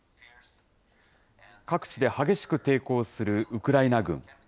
各地で激しく抵抗するウクライナ軍。